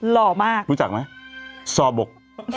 รอมากรู้จักมั้ยซอบก